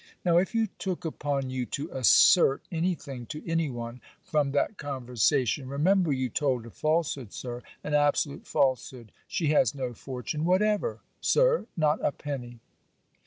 Now if you took upon you to assert any thing to any one, from that conversation, remember you told a falsehood, Sir, an absolute falsehood. She has no fortune whatever, Sir not a penny.'